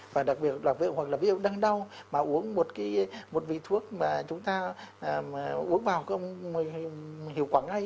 và đặc biệt là ví dụ như đang đau mà uống một vị thuốc mà chúng ta uống vào hiệu quả ngay